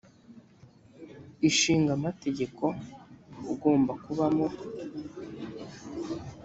ishinga amategeko ugomba kubamo